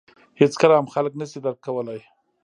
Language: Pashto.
• هېڅکله هم خلک نهشي درک کولای.